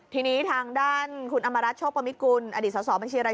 ทีนี้ทางด้านคุณอมรัชโชคปมิกุลอดีตสาวเป็นชื่ออะไร